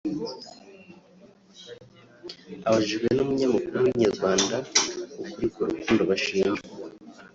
Abajijwe n’umunyamakuru wa Inyarwanda ukuri ku rukundo bashinjwa